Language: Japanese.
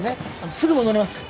すぐ戻りますから。